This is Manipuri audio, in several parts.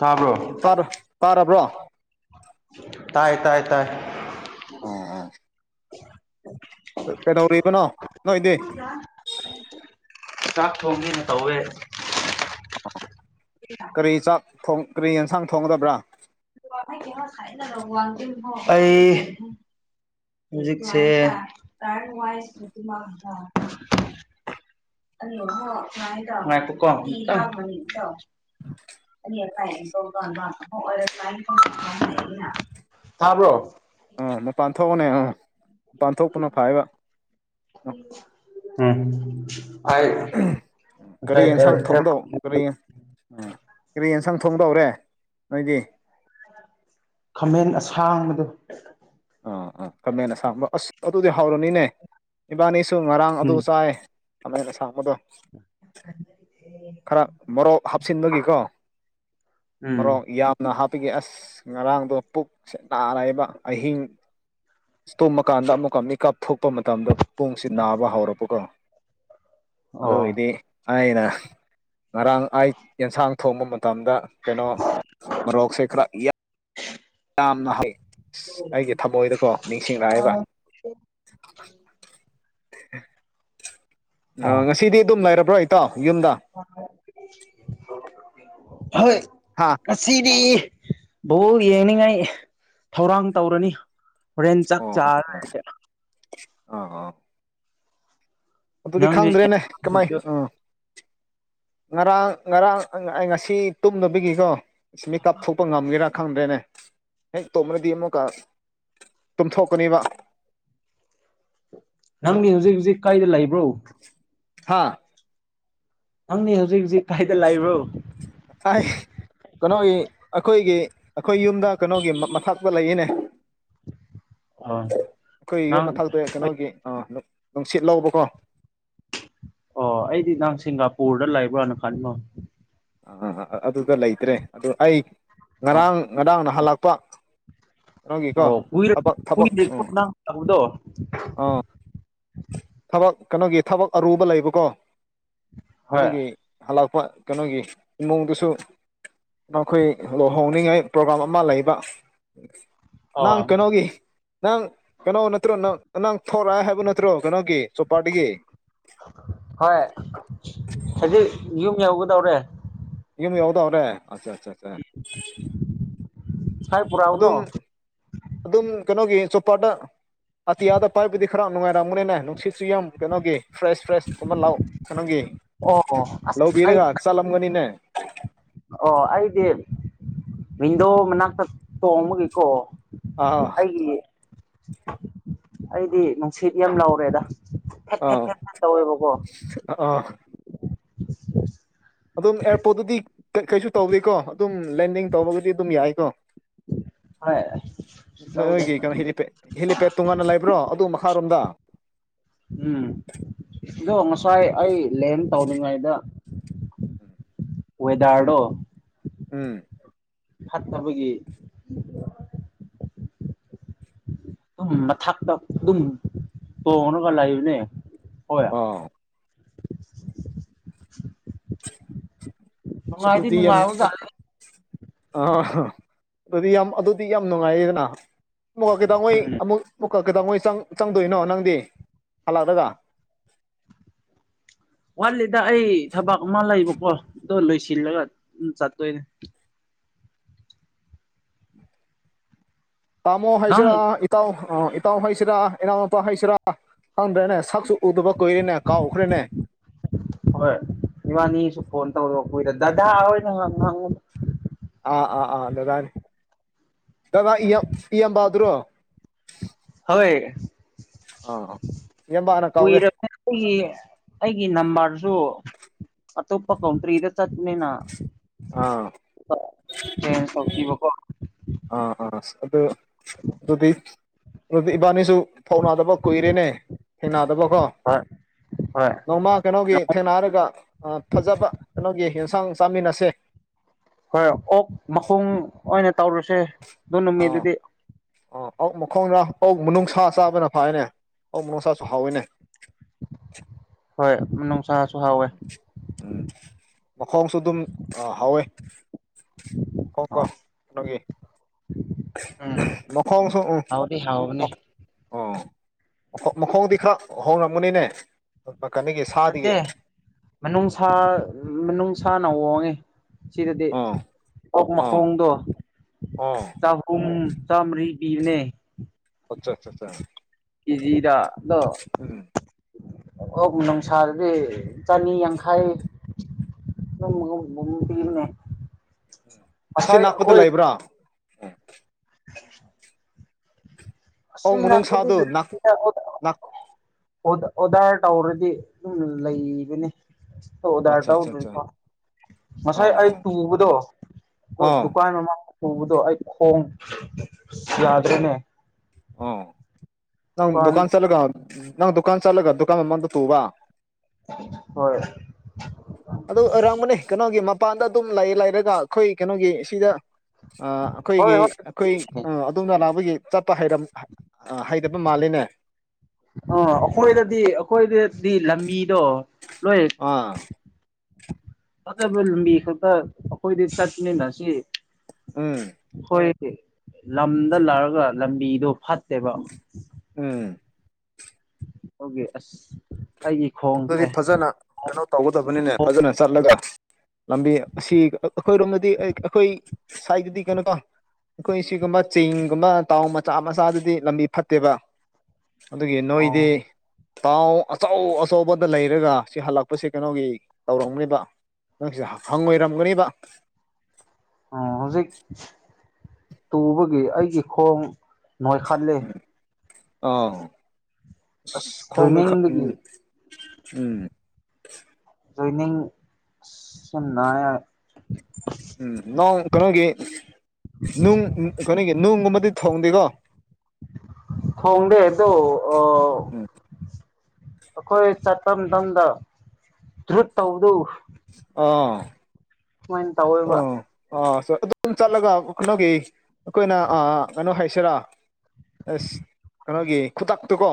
ꯇꯥꯕ꯭ꯔꯣ ꯇꯔꯞ ꯇꯥꯔꯕ꯭ꯔꯣ ꯇꯥꯏ ꯇꯥꯏ ꯇꯥꯏ ꯑꯣ ꯑꯣ ꯀꯩꯗꯧꯔꯤꯕꯅꯣ ꯅꯣꯏꯗꯤ ꯆꯥꯛ ꯊꯣꯡꯒꯦꯅ ꯇꯧꯋꯦ ꯀꯔꯤ ꯆꯥꯛ ꯊꯣꯡ ꯀꯔꯤ ꯑꯦꯟꯁꯥꯡ ꯊꯣꯡꯒꯗꯕ꯭ꯔꯥ ꯑꯩ ꯍꯧꯖꯤꯛꯁꯦ [unintelligible] [inaudible] [unintelligible] ꯇꯥꯕ꯭ꯔꯣ ꯑꯥ ꯃꯄꯥꯟ ꯊꯣꯛꯄꯅꯦ ꯑꯥ ꯃꯄꯥꯟ ꯊꯣꯛꯄꯅ ꯐꯩꯑꯦꯕ [inaudible] ꯀꯔꯤ ꯌꯦꯟꯁꯥꯡ ꯑꯦꯔ ꯑꯦꯔ ꯊꯣꯡꯗꯧ ꯀꯔꯤ ꯎꯝ ꯀꯔꯤ ꯌꯦꯟꯁꯥꯡ ꯊꯣꯡꯗꯧꯔꯦ ꯅꯣꯏꯗꯤ ꯈꯥꯃꯦꯟ ꯑꯁꯥꯡꯕꯗꯨ ꯑꯥ ꯑꯥ ꯈꯃꯦꯟ ꯑꯁꯥꯡꯕ ꯑꯁ ꯑꯗꯨꯗꯤ ꯍꯥꯎꯔꯅꯤꯅꯦ ꯏꯕꯥꯅꯤꯁꯨ ꯉꯔꯥꯡ ꯑꯗꯨ ꯎꯝ ꯆꯥꯏ ꯈꯥꯃꯦꯟ ꯑꯁꯥꯡꯕꯗꯣ ꯈꯔ ꯃꯣꯔꯣꯛ ꯍꯥꯞꯆꯤꯟꯕꯒꯤꯀꯣ ꯎꯝ ꯃꯣꯔꯣꯛ ꯌꯥꯝꯅ ꯍꯥꯞ ꯄꯒꯤ ꯑꯁ ꯉꯔꯥꯡꯗꯣ ꯄꯨꯛꯁꯦ ꯅꯥꯔꯦꯕ ꯑꯍꯤꯡ ꯏꯁ ꯇꯨꯝꯕꯀꯥꯟꯗ ꯑꯃꯨꯛꯀ ꯃꯤꯀꯞ ꯊꯣꯛꯄ ꯃꯇꯝꯗ ꯄꯨꯡꯁꯤ ꯅꯥꯕ ꯍꯧꯔꯛꯄꯀꯣ ꯑꯣ ꯑꯗꯨꯒꯤꯗꯤ ꯑꯩꯅ ꯉꯔꯥꯡ ꯑꯩ ꯌꯦꯟꯁꯥꯡ ꯊꯣꯡꯕ ꯃꯇꯝꯗ ꯀꯩꯅꯣ ꯃꯣꯔꯣꯛꯁꯦ ꯈꯔ ꯌꯥ ꯌꯥꯝꯅ ꯍꯥꯞꯄꯦ ꯑꯩꯒꯤ ꯊꯃꯣꯏꯗꯀꯣ ꯅꯤꯡꯁꯤꯡꯔꯛꯑꯦꯕ [unintelligible] ꯑ ꯑꯥ ꯉꯁꯤꯗꯤ ꯑꯗꯨꯝ ꯂꯩꯔꯕ꯭ꯔꯣ ꯏꯇꯥꯎ ꯌꯨꯝꯗ ꯍꯣꯏ ꯍꯥ ꯉꯁꯤꯗꯤ ꯕꯣꯜ ꯌꯦꯡꯅꯤꯡꯉꯥꯏ ꯊꯧꯔꯥꯡ ꯇꯧꯔꯅꯤ ꯍꯣꯔꯦꯟ ꯆꯥꯛ ꯑꯣ ꯆꯥꯔ ꯂꯩꯔꯗꯤ ꯑꯣ ꯑꯣ ꯑꯗꯨꯗꯤ ꯅꯪꯗꯤ ꯈꯪꯗ꯭ꯔꯦꯅꯦ ꯀꯃꯥꯏ ꯑꯥ ꯉꯔꯥꯡ ꯉꯔꯥꯡ ꯑꯩ ꯉꯁꯤ ꯇꯨꯝꯗꯕꯒꯤꯀꯣ ꯃꯤꯀꯞ ꯊꯣꯛꯄ ꯉꯝꯒꯦꯔꯥ ꯐꯪꯗ꯭ꯔꯦꯅꯦ ꯍꯦꯛ ꯇꯣꯝꯔꯗꯤ ꯑꯃꯨꯛꯀ ꯇꯨꯝꯊꯣꯛꯀꯅꯤꯕ [inaudible] ꯅꯪꯒꯤ ꯍꯧꯖꯤꯛ ꯍꯧꯖꯤꯛ ꯀꯥꯏꯗ ꯂꯩꯕ꯭ꯔꯣ ꯍꯥꯥ ꯍꯪꯅꯤ ꯍꯧꯖꯤꯛ ꯍꯧꯖꯤꯛ ꯀꯥꯏꯗ ꯂꯩꯕ꯭ꯔꯣ ꯍꯥꯏ ꯀꯩꯅꯣꯒꯤ ꯑꯩꯈꯣꯏꯒꯤ ꯑꯩꯈꯣꯏ ꯌꯨꯝꯗ ꯀꯩꯅꯣꯒꯤ ꯃꯊꯛꯇ ꯂꯩꯌꯦꯅꯦ ꯑꯣ ꯑꯩꯈꯣꯏ ꯌꯨꯝ ꯅꯪ ꯃꯊꯛꯇ ꯑꯩ ꯀꯩꯅꯣꯒꯤ ꯑ ꯅꯨꯡꯁꯤꯠ ꯂꯧꯕꯀꯣ ꯑꯣ ꯑꯩꯗꯤ ꯅꯪ ꯁꯤꯡꯒꯥꯄꯨꯔꯗ ꯂꯩꯕ꯭ꯔꯥꯅ ꯈꯟꯕ ꯑ ꯑꯗꯨꯗ ꯂꯩꯇ꯭ꯔꯦ ꯑꯗꯨ ꯑꯩ ꯑꯥ ꯉꯔꯥꯡ ꯉꯔꯥꯡ ꯅꯍꯜꯂꯥꯛꯄ ꯀꯩꯅꯣꯒꯤꯀꯣ ꯑꯣ ꯀꯨꯏꯔ ꯊꯕꯛ ꯊꯕꯛ ꯀꯨꯏꯗ꯭ꯔꯤꯀꯣ ꯎꯝ ꯅꯪ ꯂꯥꯛꯄꯗꯣ ꯑꯥ ꯊꯕꯛ ꯀꯩꯅꯣꯒꯤ ꯊꯕꯛ ꯑꯔꯨꯕ ꯂꯩꯕꯀꯣ ꯍꯣꯏ ꯑꯗꯨꯒꯤ ꯍꯜꯂꯛꯄ ꯀꯩꯅꯣꯒꯤ ꯏꯃꯨꯡꯗꯨꯁꯨ ꯅꯈꯣꯏ ꯂꯨꯍꯣꯡꯅꯤꯡꯉꯥꯏ ꯄ꯭ꯔꯣꯒ꯭ꯔꯥꯝ ꯑꯃ ꯂꯩꯕ ꯑꯣ ꯅꯪ ꯀꯩꯅꯣꯒꯤ ꯅꯪ ꯀꯩꯅꯣ ꯅꯠꯇ꯭ꯔꯣ ꯅꯪ ꯅꯪ ꯊꯣꯔꯛꯑ ꯍꯥꯏꯕ ꯅꯠꯇ꯭ꯔꯣ ꯀꯩꯅꯣꯒꯤ ꯆꯣꯄꯥꯗꯒꯤ ꯍꯣꯏ ꯍꯧꯖꯤꯛ ꯌꯨꯝ ꯌꯧꯒꯗꯧꯔꯦ ꯌꯥꯎꯗꯧꯔꯦ ꯑꯆꯥ ꯆꯥ ꯆꯥ ꯉꯁꯥꯏ ꯄꯨꯔꯛꯎꯅꯣ ꯑꯗꯨꯝ ꯑꯗꯨꯝ ꯀꯩꯅꯣꯒꯤ ꯆꯣꯄꯗ ꯑꯇꯤꯌꯥꯗ ꯄꯥꯏꯕꯗꯤ ꯈꯔ ꯅꯨꯡꯔꯝꯒꯅꯤꯅꯦ ꯅꯨꯡ ꯁꯤꯠꯁꯨ ꯌꯥꯝ ꯀꯩꯅꯣꯒꯤ ꯐ꯭ꯔꯦꯁ ꯐ꯭ꯔꯦꯁ ꯀꯨꯝꯕ ꯂꯥꯛ ꯀꯩꯅꯣꯒꯤ ꯑꯣ ꯑꯁ ꯑꯩ ꯂꯧꯕꯤꯔꯒ ꯆꯠꯂꯝꯒꯅꯤꯅꯦ ꯑꯣ ꯑꯩꯗꯤ ꯋꯤꯟꯗꯣ ꯃꯅꯥꯛꯇ ꯇꯣꯡꯕꯒꯤꯀꯣ ꯑꯥ ꯑꯩꯒꯤ ꯑꯩꯗꯤ ꯅꯨꯡꯁꯤꯠ ꯌꯥꯝ ꯂꯧꯔꯦꯗ ꯐꯠ ꯐꯠ ꯑꯥ ꯐꯠ ꯐꯠ ꯇꯧꯋꯦꯕꯀꯣ ꯑꯥ ꯑꯗꯨꯝ ꯑꯦꯌꯥꯔꯄꯣꯔꯠꯇꯗꯤ ꯀꯩꯁꯨ ꯇꯧꯗꯦꯀꯣ ꯑꯗꯨꯝ ꯂꯦꯟꯗꯤꯡ ꯇꯧꯕꯒꯗꯤ ꯑꯗꯨꯝ ꯌꯥꯏꯀꯣ ꯍꯣꯏ ꯇꯧꯗꯦ ꯅꯣꯏꯒꯤ ꯀꯩꯅꯣ ꯍꯦꯂꯤꯄꯦꯠ ꯍꯦꯂꯤꯄꯦꯠ ꯇꯣꯉꯥꯟꯅ ꯂꯩꯕ꯭ꯔꯣ ꯑꯗꯨ ꯃꯈꯥꯔꯣꯝꯗ ꯎꯝ ꯑꯗꯣ ꯑꯥ ꯉꯁꯥꯏ ꯑꯩ ꯂꯦꯟ ꯇꯧꯔꯤꯉꯥꯏꯗ ꯎꯝ ꯋꯦꯗꯔꯗꯣ ꯎꯝ ꯐꯠꯇꯕꯒꯤ ꯑꯗꯨꯝ ꯃꯊꯛꯇ ꯑꯗꯨꯝ ꯇꯣꯡꯉꯒ ꯂꯩꯕꯅꯦ ꯍꯣꯏ ꯑꯣ [inaudible] [unintelligible] ꯅꯨꯡꯉꯥꯏꯗꯤ ꯅꯨꯡꯉꯥꯏꯕꯖꯥꯠꯅꯤ ꯑꯗꯨꯗꯤ ꯌꯥꯝ ꯑꯗꯨꯗꯤ ꯌꯥꯝ ꯅꯨꯡꯉꯥꯏꯌꯦꯗꯅ ꯃꯨꯛꯀ ꯀꯩꯗꯧꯉꯩ ꯎꯝ ꯑꯃꯨꯛ ꯑꯃꯨꯛꯀ ꯀꯩꯗꯧꯉꯩ ꯆꯪ ꯆꯪꯗꯣꯏꯅꯣ ꯅꯪꯗꯤ ꯍꯜꯂꯗꯒ ꯋꯥꯠꯂꯤꯗ ꯑꯩ ꯊꯕꯛ ꯑꯃ ꯂꯩꯕꯀꯣ ꯑꯗꯣ ꯂꯣꯏꯁꯤꯜꯂꯒ ꯎꯝ ꯆꯠꯇꯣꯏꯅꯦ ꯇꯥꯃꯣ ꯅꯪ ꯍꯩꯁꯤꯔꯥ ꯏꯇꯥꯎ ꯑ ꯏꯇꯥꯎ ꯍꯩꯁꯤꯔꯥ ꯏꯅꯥꯎꯅꯨꯄꯥ ꯍꯩꯁꯤꯔꯥ ꯈꯪꯗ꯭ꯔꯦꯅꯦ ꯁꯛꯁꯨ ꯎꯗꯕ ꯀꯨꯏꯔꯦꯅꯦ ꯀꯥꯎꯈ꯭ꯔꯦꯅꯦ ꯍꯣꯏ ꯏꯕꯅꯤꯁꯨ ꯐꯣꯟ ꯇꯧꯔꯛ ꯗꯗꯥ ꯑꯣꯏꯅ ꯉꯝ ꯑꯥ ꯑꯥ ꯑꯥ ꯗꯗꯥꯅꯤ ꯗꯗꯥ ꯏꯌꯥꯝ ꯏꯌꯥꯝ ꯑꯗꯨꯔꯣ ꯑꯥ ꯏꯌꯥꯝꯕꯅ ꯍꯣꯏ ꯀꯧꯋꯦ [inaudible] ꯑꯩꯒꯤ ꯅꯝꯕꯔꯁꯨ ꯑꯇꯣꯞꯄ ꯀꯣꯟꯇ꯭ꯔꯤꯗ ꯆꯠꯄꯅꯤꯅ ꯑꯥ ꯆꯦꯟꯁ ꯇꯧꯈꯤꯕ ꯑꯥ ꯑꯥ ꯑꯗꯨ ꯑꯗꯨꯗꯤ ꯑꯗꯨꯗꯤ ꯏꯕꯥꯅꯤ ꯇꯨ ꯐꯥꯎꯅꯥꯗꯕ ꯀꯨꯏꯔꯦꯅꯦ ꯊꯦꯡꯅꯗꯕꯀꯣ ꯍꯣꯏ ꯍꯣꯏ ꯅꯣꯡꯃ ꯀꯩꯅꯣꯒꯤ ꯊꯦꯡꯅꯔꯒ ꯑ ꯐꯖꯕ ꯀꯩꯅꯣꯒꯤ ꯌꯦꯟꯁꯥꯡ ꯆꯥꯃꯤꯟꯅꯁꯦ ꯍꯣꯏ ꯑꯣꯛ ꯃꯈꯣꯡ ꯑꯣꯏꯅ ꯇꯧꯔꯁꯦ ꯑꯗꯨ ꯑꯥ ꯅꯨꯃꯤꯠꯗꯨꯗꯤ ꯑꯥ ꯑꯣꯛ ꯃꯈꯣꯡꯔ ꯑꯣꯛ ꯃꯅꯨꯡꯁꯥ ꯆꯥꯕꯅ ꯐꯥꯏꯅꯦ ꯑꯣꯛ ꯃꯅꯨꯡꯁꯥꯁꯨ ꯍꯥꯎꯋꯦꯅꯦ ꯍꯣꯏ ꯃꯅꯨꯡ ꯎꯝ ꯃꯈꯣꯡꯁꯨ ꯑꯗꯨꯝ ꯑꯥ ꯍꯥꯎꯋꯦ ꯍꯣꯏ [unintelligible] ꯎꯝ ꯃꯈꯣꯡꯁꯨ ꯎꯝ ꯍꯥꯎꯗꯤ ꯃ ꯍꯥꯎꯕꯅꯦ ꯑꯣ ꯃꯈꯣꯡꯗꯤ ꯈꯔ ꯍꯣꯡꯉꯝꯒꯅꯤꯅꯦ ꯅꯠꯇꯦ ꯃꯅꯨꯡꯁꯥ ꯃꯅꯨꯡꯁꯥꯅ ꯍꯣꯡꯉꯦ ꯁꯤꯗꯗꯤ ꯑꯥ ꯑꯣꯛ ꯑꯥ ꯃꯈꯣꯡꯗꯣ ꯑꯥ ꯆꯍꯨꯝ ꯆꯥꯝꯃꯔꯤ ꯄꯤꯕꯅꯦ ꯑꯆꯥ ꯑꯆꯥ ꯆꯥ ꯀꯤꯖꯤꯗ ꯑꯗꯣ ꯑꯣꯛ ꯃꯅꯨꯡꯁꯥꯗꯗꯤ ꯆꯅꯤ ꯌꯥꯡꯈꯩ [inaudible] ꯄꯤꯕꯅꯦ ꯁꯤ ꯉꯁꯥꯏ ꯅꯛꯄꯗ ꯑꯩꯈꯣꯏ ꯂꯩꯕ꯭ꯔꯣ [unintelligible] ꯑꯧ ꯃꯅꯨꯡꯁꯥꯗꯨ ꯅꯥꯛ [unintelligible] ꯅꯥꯛ ꯑꯣꯗ ꯑꯣꯗꯔ ꯇꯧꯔꯗꯤ ꯑꯗꯨꯝ ꯂꯩꯕꯅꯦ ꯑꯣꯗꯔ ꯑꯠꯆꯥ ꯇꯧ ꯑꯠꯆꯥ ꯑꯠꯆꯥ ꯉꯁꯥꯏ ꯑꯥ ꯑꯩ ꯑꯥ ꯇꯨꯕꯗꯣ ꯄꯣꯠ ꯑꯥ ꯗꯨꯀꯥꯟ ꯃꯃꯥꯡ ꯇꯨꯕꯗꯣ ꯑꯩ ꯈꯣꯡ ꯌꯥꯗ꯭ꯔꯦꯅꯦ ꯑꯣ ꯅꯪ ꯗꯨꯀꯥꯟ ꯆꯠꯂꯒ ꯅꯪ ꯗꯨꯀꯥꯟ ꯆꯠꯂꯒ ꯗꯨꯀꯥꯟ ꯃꯃꯥꯡꯗ ꯇꯨꯕ ꯍꯣꯏ ꯑꯗꯨ ꯑꯣꯏꯔꯝꯒꯅꯤ ꯀꯩꯅꯣꯒꯤ ꯃꯄꯥꯟꯗ ꯑꯗꯨꯝ ꯂꯩ ꯂꯩꯔꯒ ꯑꯩꯈꯣꯏ ꯀꯩꯅꯣꯒꯤ ꯁꯤꯗ ꯑꯥ ꯍꯣꯏ ꯑꯈꯣꯏꯒꯤ ꯍꯣꯏ ꯑ ꯑꯈꯣꯏ ꯑ ꯑꯗꯣꯝꯗ ꯂꯥꯛꯄꯒꯤ ꯆꯠꯄ ꯍꯩꯔꯝ ꯍꯩꯇꯕ ꯃꯥꯜꯂꯤꯅꯦ ꯑ ꯑꯩꯈꯣꯏꯗꯗꯤ ꯑꯩꯈꯣꯏꯗꯗꯤ ꯂꯝꯕꯤꯗꯣ ꯑꯥ ꯐꯠꯇꯕ ꯂꯝꯕꯤ ꯈꯛꯇ ꯑꯩꯈꯣꯏꯗꯤ ꯆꯠꯃꯤꯟꯅꯁꯤ ꯎꯝ ꯑꯩꯈꯣꯏ ꯂꯝꯗ ꯂꯛꯔꯒ ꯂꯝꯕꯤꯗꯣ ꯐꯠꯇꯦꯕ ꯎꯝ ꯑꯗꯨꯒꯤ ꯑꯁ ꯑꯩꯒꯤ ꯑꯗꯨꯗꯤ ꯈꯣꯡꯁꯦ ꯐꯖꯅ ꯀꯩꯅꯣ ꯇꯧꯒꯗꯕꯅꯤꯅꯦ ꯐꯖꯅ ꯆꯠꯂꯒ ꯑꯁ ꯂꯝꯕꯤ ꯑꯁꯤ ꯑꯩꯈꯣꯏꯔꯣꯝꯗꯗꯤ ꯑꯩꯈꯣꯏ ꯁꯥꯏꯠꯇꯗꯤ ꯀꯩꯅꯣꯀꯣ ꯑꯩꯈꯣꯏ ꯁꯤꯒꯨꯝꯕ ꯆꯤꯡꯒꯨꯝꯕ ꯇꯥꯎꯟ ꯃꯆꯥ ꯃꯆꯥꯗꯗꯤ ꯂꯝꯕꯤ ꯐꯠꯇꯦꯕ ꯑꯗꯨꯒꯤ ꯑꯣ ꯅꯣꯏꯗꯤ ꯇꯥꯎ ꯑꯆꯧ ꯑꯆꯧꯕꯗ ꯂꯩꯔꯒ ꯁꯤ ꯍꯜꯂꯛꯄꯁꯦ ꯀꯩꯅꯣꯒꯤ ꯇꯧꯔꯝꯅꯦꯕ ꯅꯪꯁꯤꯗ ꯍꯪ ꯉꯣꯏꯔꯝꯒꯅꯤꯕ ꯑꯣ ꯍꯧꯖꯤꯛ ꯇꯨꯕꯒꯤ ꯑꯩꯒꯤ ꯈꯣꯡ ꯅꯣꯏꯈꯠꯂꯤ ꯑꯥꯎ ꯑꯁ ꯈꯣꯡ ꯅꯣꯏꯈꯠ ꯎꯝ ꯖꯣꯏꯅꯤꯡꯗꯒꯤ ꯎꯝ ꯖꯣꯏꯅꯤꯡ ꯁꯦ ꯅꯥꯏ ꯎꯝ ꯅꯣꯡ ꯀꯩꯅꯣꯒꯤ ꯀꯩꯅꯣꯒꯤ ꯅꯨꯡ ꯀꯩꯅꯣꯒꯤ ꯅꯨꯡꯒꯨꯝꯕ ꯗꯤ ꯊꯣꯡꯗꯦꯀꯣ ꯊꯣꯡꯗꯦ ꯑꯗꯣ ꯑꯥ ꯎꯝ ꯑꯩꯈꯣꯏ ꯆꯠꯄ ꯃꯇꯝꯗ ꯇ꯭ꯔꯨꯠ ꯇꯧꯕꯗꯨ ꯑꯥ ꯁꯨꯃꯥꯏꯅ ꯇꯧꯋꯦꯕ ꯁꯨꯝ ꯑꯗꯨꯝ ꯆꯠꯂꯒ ꯀꯩꯅꯣꯒꯤ ꯑꯩꯈꯣꯏꯅ ꯀꯩꯅꯣ ꯍꯥꯏꯁꯤꯔꯥ ꯑꯁ ꯀꯩꯅꯣꯒꯤ ꯈꯨꯇꯛꯇꯨ ꯀꯣ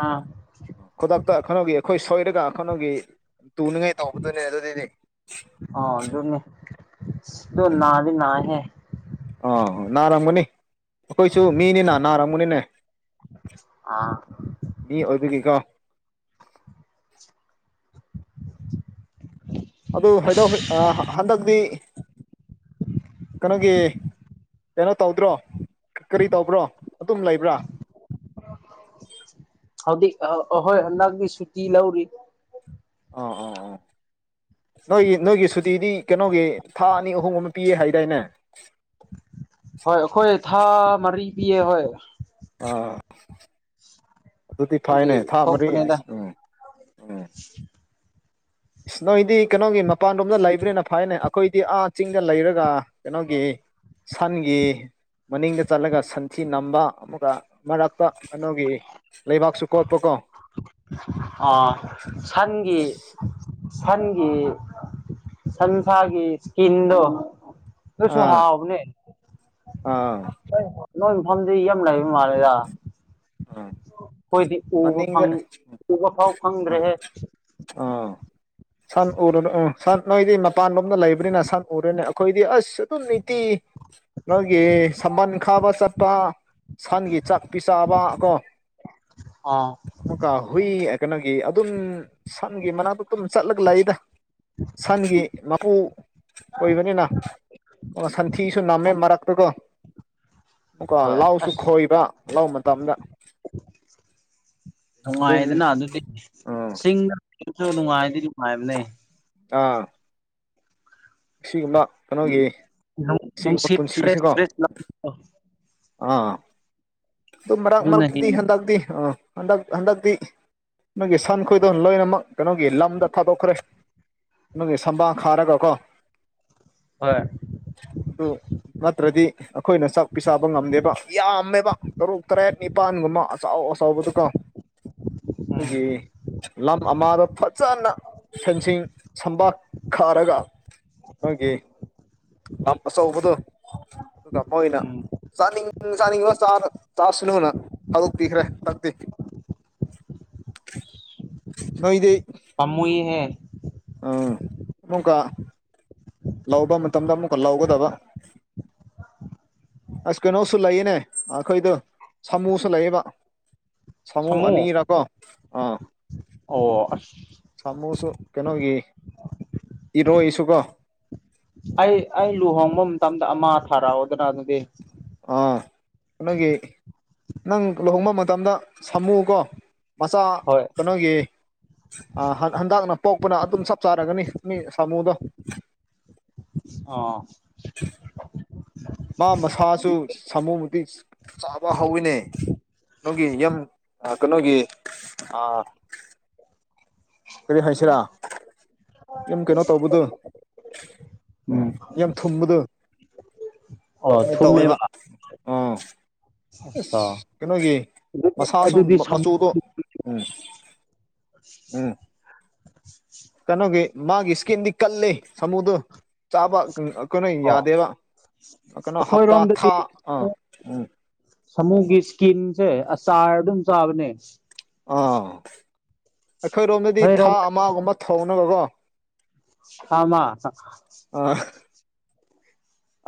ꯑꯥ ꯈꯨꯗꯛꯇ ꯀꯩꯅꯣꯒꯤ ꯑꯩꯈꯣꯏ ꯁꯣꯏꯔꯒ ꯀꯩꯅꯣꯒꯤ ꯇꯨꯅꯤꯉꯥꯏ ꯇꯧꯕꯗꯨꯅꯦ ꯑꯗꯨꯗꯤ ꯑꯗꯣ ꯅꯗꯤ ꯅꯥꯏꯍꯦ ꯑꯥ ꯅꯥꯔꯝꯒꯅꯤ ꯑꯩꯈꯣꯏꯁꯨ ꯃꯤꯅꯤꯅ ꯅꯥꯔꯝꯒꯅꯤꯅꯦ ꯑꯥ ꯃꯤ ꯑꯣꯏꯕꯒꯤꯀꯣ ꯑꯗꯨ ꯍꯥꯏꯗꯥꯎ ꯍꯟꯗꯛꯇꯤ ꯀꯩꯅꯣꯒꯤ ꯀꯩꯅꯣ ꯇꯧꯗ꯭ꯔꯣ ꯀꯔꯤ ꯇꯧꯕ꯭ꯔꯣ ꯑꯗꯨꯝ ꯂꯩꯕ꯭ꯔꯥ ꯑꯥ ꯑꯍꯣꯏ ꯍꯟꯗꯛꯀꯤ ꯁꯨꯇꯤ ꯂꯧꯔꯤ ꯑꯥ ꯑꯥ ꯑꯥ ꯅꯣꯏꯒꯤ ꯅꯣꯏꯒꯤ ꯁꯨꯇꯤꯗꯤ ꯀꯩꯅꯣꯒꯤ ꯊꯥ ꯑꯅꯤ ꯑꯍꯨꯝ ꯑꯃ ꯄꯤꯌꯦ ꯍꯥꯏꯗꯥꯏꯅꯦ ꯍꯣꯏ ꯑꯩꯈꯣꯏ ꯊꯥ ꯃꯔꯤ ꯄꯤꯌꯦ ꯍꯣꯏ ꯑꯥ ꯑꯗꯨꯗꯤ ꯑꯗꯨꯒꯤ ꯐꯥꯏꯅꯦ ꯊꯥ ꯃꯔꯤ ꯊꯣꯛꯄꯅꯤꯗ ꯎꯝ ꯎꯝ ꯏꯁ ꯅꯣꯏꯗꯤ ꯀꯩꯅꯣꯒꯤ ꯃꯄꯥꯟꯂꯣꯝꯗ ꯂꯩꯕꯅꯦꯅ ꯐꯥꯏꯅꯦ ꯑꯩꯈꯣꯏꯗꯤ ꯑꯥ ꯆꯤꯡꯗ ꯂꯩꯔꯒ ꯀꯩꯅꯣꯒꯤ ꯁꯟꯒꯤ ꯃꯅꯤꯡꯗ ꯆꯠꯂꯒ ꯁꯟꯊꯤ ꯅꯝꯕ ꯑꯃꯒ ꯃꯔꯛꯇ ꯀꯩꯅꯣꯒꯤ ꯂꯩꯕꯥꯛꯁꯨ ꯀꯣ ꯑꯥ ꯁꯟꯒꯤ ꯁꯟꯒꯤ ꯁꯟꯁꯥꯒꯤ ꯏꯁꯀꯤꯟꯗꯣ ꯗꯨꯁꯨ ꯑꯥ ꯍꯥꯥꯎꯕꯅꯦ ꯑꯥ ꯅꯣꯏ ꯃꯐꯝꯗꯤ ꯌꯥꯝ ꯂꯩꯕ ꯃꯥꯜꯂꯦꯗ ꯑꯥ ꯑꯩꯈꯣꯏꯗꯤ ꯎꯕ ꯃꯅꯤꯡꯗ ꯐꯪ ꯎꯕ ꯐꯥꯎ ꯑꯥ ꯐꯪꯗ꯭ꯔꯦꯍꯦ ꯑꯥ ꯁꯛ ꯎꯔꯕ ꯑꯦ ꯁꯟ ꯅꯣꯏꯗꯤ ꯃꯄꯥꯟ ꯂꯣꯝꯗ ꯂꯩꯕꯅꯤꯅ ꯁꯟ ꯎꯔꯣꯏꯅꯦ ꯑꯩꯈꯣꯏꯗꯤ ꯑꯁ ꯑꯗꯨꯝ ꯅꯤꯇꯤ ꯅꯪꯒꯤ ꯁꯝꯕꯟ ꯈꯥꯕ ꯁꯠꯄ ꯁꯟꯒꯤ ꯆꯥꯛ ꯄꯤꯆꯥꯕꯀꯣ ꯑꯥ ꯑꯃꯨꯛꯀ ꯍꯨꯏ ꯀꯩꯅꯣꯒꯤ ꯑꯗꯨꯝ ꯁꯟꯒꯤ ꯃꯅꯥꯛꯇ ꯑꯗꯨꯝ ꯆꯠꯂꯒ ꯂꯩꯗ ꯁꯟꯒꯤ ꯃꯄꯨ ꯑꯣꯏꯕꯅꯤꯅ ꯑꯣ ꯁꯟꯊꯤꯁꯨ ꯅꯝꯃꯦ ꯃꯔꯛꯇꯨꯒꯣ ꯀꯣ ꯍꯣꯏ ꯂꯧꯁꯨ ꯑꯁ ꯈꯣꯏꯕ ꯂꯧ ꯃꯇꯝꯗ ꯑꯗꯨꯝ ꯅꯨꯡꯉꯥꯏꯗꯅ ꯑꯗꯨꯗꯤ ꯑꯥ ꯆꯤꯡꯗꯁꯨ ꯅꯨꯡꯉꯥꯏꯗꯤ ꯅꯨꯡꯉꯥꯏꯕꯅꯦ ꯑꯥ ꯁꯤꯒꯨꯝꯕ ꯀꯩꯅꯣꯒꯤ ꯁꯤꯒꯨꯝꯕ ꯅꯨꯡꯁꯤꯠ ꯐ꯭ꯔꯦꯁ ꯄꯨꯟꯁꯤꯁꯤꯀꯣ ꯐ꯭ꯔꯦꯁ ꯂꯥꯛꯄꯗꯣ ꯑꯥ ꯑꯗꯨ ꯃꯔꯛ ꯑꯗꯨꯅ ꯃꯔꯛꯇꯗꯤ ꯍꯦꯟꯅ ꯍꯟꯗꯛꯇꯤ ꯑꯥ ꯍꯟꯗꯛ ꯍꯟꯗꯛꯇꯤ ꯅꯣꯏꯒꯤ ꯁꯟ ꯈꯣꯏꯗꯣ ꯂꯣꯏꯅꯃꯛ ꯀꯩꯅꯣꯒꯤ ꯂꯝꯗ ꯊꯥꯗꯣꯛꯈ꯭ꯔꯦ ꯅꯪꯒꯤ ꯁꯕꯟ ꯈꯥꯔꯒꯀꯣ ꯍꯣꯏ [inaudible] ꯑꯗꯨ ꯅꯠꯇ꯭ꯔꯗꯤ ꯑꯩꯈꯣꯏꯅ ꯆꯥꯛ ꯄꯤꯁꯥꯕ ꯉꯝꯗꯦꯕ ꯌꯥꯝꯃꯦꯕ ꯇꯔꯨꯛ ꯇꯔꯦꯠꯅꯤ ꯄꯥꯟꯒꯨꯝꯕ ꯑꯆꯥꯎ ꯑꯆꯧꯕꯗꯨꯀ ꯎꯝ ꯑꯩꯈꯣꯏꯒꯤ ꯂꯝ ꯑꯃꯗ ꯐꯖꯅ ꯐꯦꯟꯁꯤꯡ ꯁꯝꯕꯜ ꯈꯥꯔꯒ ꯃꯣꯏꯒꯤ ꯂꯝ ꯑꯆꯧꯕꯗꯣ ꯑꯗꯨꯗ ꯃꯣꯏꯅ ꯎꯝ ꯆꯥꯅꯤꯡ ꯆꯥꯅꯤꯡꯕꯣ ꯆꯥꯔ ꯆꯥꯁꯅꯨꯅ ꯊꯗꯣꯛꯄꯤꯈ꯭ꯔꯦ ꯍꯟꯗꯛꯇꯤ ꯅꯣꯏꯗꯤ ꯄꯥꯝꯃꯨꯏꯍꯦ ꯎꯝ ꯑꯃꯨꯛꯀ ꯂꯧꯕ ꯃꯇꯝꯗ ꯑꯃꯨꯛꯀ ꯂꯧꯒꯗꯕ ꯑꯁ ꯀꯩꯅꯣꯁꯨ ꯂꯩꯌꯦꯅꯦ ꯑꯩꯈꯣꯏꯗ ꯁꯥꯃꯨꯁꯨ ꯂꯩꯌꯦꯕ ꯁꯥꯃꯨ ꯑꯅꯤꯔꯥꯀꯣ ꯑꯥ ꯑꯣ ꯑꯁ ꯁꯥꯃꯨꯁꯨ ꯀꯩꯅꯣꯒꯤ ꯏꯔꯣꯏꯁꯨꯀꯣ ꯑꯩ ꯑꯩ ꯂꯨꯍꯣꯡꯕ ꯃꯇꯝꯗ ꯑꯃ ꯊꯥꯔꯛꯑꯣꯗꯅ ꯑꯗꯨꯗꯤ ꯑꯥ ꯅꯣꯏꯒꯤ ꯅꯪ ꯂꯨꯍꯣꯡꯕ ꯃꯇꯝꯗ ꯁꯥꯝꯃꯨꯀꯣ ꯃꯆꯥꯥ ꯍꯣꯏ ꯀꯩꯅꯣꯒꯤ ꯑꯥ ꯍꯟꯗꯛꯅ ꯄꯣꯛꯄꯅ ꯑꯗꯨꯝ ꯆꯞ ꯆꯥꯔꯒꯅꯤ ꯃꯤ ꯁꯥꯃꯨꯗꯣ ꯑꯥ ꯃꯥ ꯃꯁꯥꯁꯨ ꯁꯃꯨꯕꯨꯗꯤ ꯆꯥꯕ ꯍꯧꯋꯤꯅꯦ ꯅꯪꯒꯤ ꯌꯨꯝ ꯑꯥ ꯀꯩꯅꯣꯒꯤ ꯑꯥ ꯀꯔꯤ ꯍꯥꯏꯁꯤꯔꯥ ꯑꯗꯨꯨꯝ ꯀꯩꯅꯣ ꯇꯧꯕꯗꯨ ꯎꯝ ꯌꯥꯝ ꯊꯨꯝꯕꯗꯣ ꯑꯣ ꯃꯤ ꯇꯧꯋꯦꯕ ꯊꯨꯝꯃꯦꯕ ꯑꯥ ꯑꯁ ꯀꯩꯅꯣꯒꯤ ꯑꯗꯨꯗꯤ ꯃꯁꯥꯁꯨ ꯑꯗꯨꯗꯤ ꯁꯃꯨ ꯃꯆꯨꯗꯣ ꯎꯝ ꯎꯝ ꯀꯩꯅꯣꯒꯤ ꯃꯥꯒꯤ ꯏꯁꯀꯤꯟꯗꯤ ꯀꯜꯂꯤ ꯁꯥꯃꯨꯗꯨ ꯆꯥꯕ ꯀꯟꯅꯦ ꯌꯥꯗꯦꯕ ꯀꯩꯅꯣ ꯍꯞꯇꯥ ꯑꯩꯈꯣꯏꯔꯣꯝꯗꯗꯤ ꯊꯥ ꯑꯥ ꯎꯝ ꯁꯥꯃꯨꯒꯤ ꯏ꯭ꯁꯀꯤꯟꯁꯦ ꯑꯆꯥꯔ ꯑꯗꯨꯝ ꯆꯥꯕꯅꯦ ꯑꯥ ꯑꯩꯈꯣꯏꯔꯣꯝꯗꯗꯤ ꯊꯥ ꯅꯣꯏꯔꯣꯝꯗ ꯑꯃꯒꯨꯝꯕ ꯊꯣꯡꯅꯕꯀꯣ ꯁꯥꯃꯥ ꯑ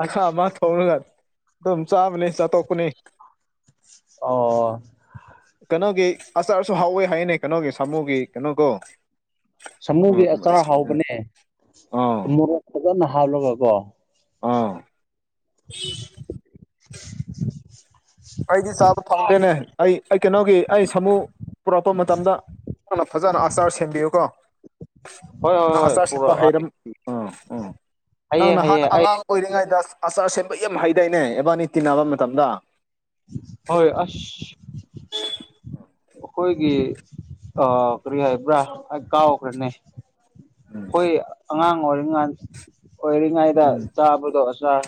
ꯈꯥ ꯑꯃ ꯊꯧꯔꯒ ꯑꯗꯨꯝ ꯆꯥꯕꯅꯤ ꯆꯥꯊꯣꯛꯄꯅꯤ ꯑꯣ ꯑꯆꯥꯥꯔꯁꯨ ꯍꯥꯎꯋꯦ ꯍꯥꯏꯅꯦ ꯀꯩꯅꯣꯒꯤ ꯁꯥꯃꯨꯒꯤ ꯀꯩꯅꯣꯀꯣ ꯁꯥꯃꯨꯒꯤ ꯑꯆꯥꯔ ꯍꯥꯎꯕꯅꯦ ꯑꯥ ꯃꯣꯔꯣꯛ ꯐꯖꯟꯅ ꯍꯥꯞꯂꯒꯀꯣ ꯑꯥ [inaudible] ꯑꯩꯗꯤ ꯆꯥꯕ ꯐꯪꯗ꯭ꯔꯦꯅꯦ ꯑꯩ ꯑꯩ ꯀꯩꯅꯣꯒꯤ ꯑꯩ ꯁꯥꯃꯨ ꯄꯨꯔꯛꯄ ꯃꯇꯝꯗ ꯅ ꯐꯖꯟꯅ ꯑꯆꯥꯔ ꯁꯦꯝꯕꯤꯌꯨꯀꯣ ꯍꯣꯏ ꯍꯣꯏ ꯅꯥ ꯍꯣꯏ ꯑꯆꯥ꯭ꯔ ꯁꯦꯝꯕ ꯄꯨꯔꯛꯑꯣ ꯍꯩꯔꯝ ꯑꯥ ꯎ ꯅꯪ ꯍꯌꯦꯡ ꯅꯍꯥꯟꯅ ꯍꯌꯦꯡ ꯑꯩ ꯑꯉꯥꯡ ꯑꯣꯏꯔꯤꯉꯩꯗ ꯑꯆꯥꯔ ꯁꯦꯝꯕ ꯌꯥꯝ ꯍꯩꯗꯥꯏꯅꯦ ꯏꯕꯥꯅꯤ ꯇꯤꯟꯅꯕ ꯃꯇꯝꯗ ꯍꯣꯏ ꯑ꯭ꯁ [inaudible] ꯈꯣꯏꯒꯤ ꯑꯥ ꯀꯔꯤ ꯍꯥꯏꯕ꯭ꯔꯥ ꯑꯩ ꯀꯥꯎꯈ꯭ꯔꯅꯦ ꯎꯝ ꯑꯩꯈꯣꯏ ꯑꯉꯥꯡ ꯑꯣꯏꯔꯤꯉꯥꯟ ꯑꯣꯏꯔꯤꯉꯩꯗ ꯎꯝ ꯆꯥꯕꯗꯣ ꯑꯆꯥꯔ